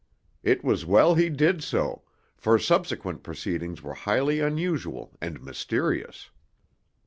It was well he did so, for subsequent proceedings were highly unusual and mysterious.